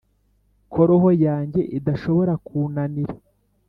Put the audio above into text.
ko roho yanjye idashobora kunanira: